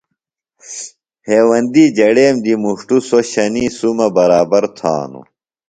ہیوندی جڑیم دی مُݜٹوۡ سوۡ شنیی سُمہ برابر تھانُوۡ۔